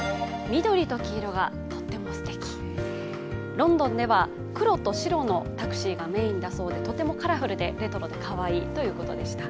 ロンドンでは黒と白のタクシーがメインだそうで、とてもカラフルでレトロでかわいいということでした。